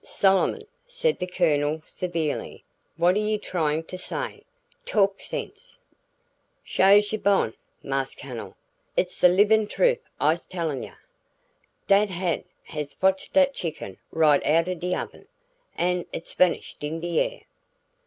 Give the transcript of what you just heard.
"Solomon," said the Colonel severely, "what are you trying to say? Talk sense." "Sho's yuh bohn, Marse Cunnel; it's de libbin' truf I's tellin' yuh. Dat ha'nt has fotched dat chicken right outen de oven, an' it's vanished in de air."